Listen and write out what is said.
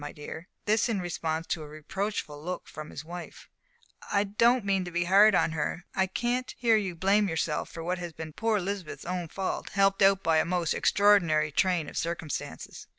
My dear" this in response to a reproachful look from his wife "I don't mean to be hard on her, but I can't hear you blame yourself for what has been poor Elizabeth's own fault, helped out by a most extraordinary train of circumstances."